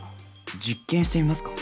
実験してみますか？